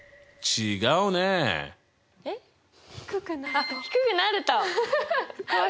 あっ低くなると！